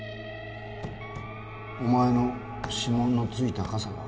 ・お前の指紋のついた傘が